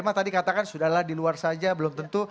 maksudnya sudah lah di luar saja belum tentu